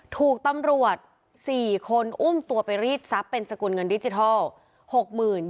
ถูกตำรวจ๔คนอุ้มตัวไปรีดทรัพย์เป็นสกุลเงินดิจิทัล